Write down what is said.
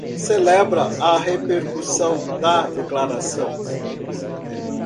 Celebra a repercussão da declaração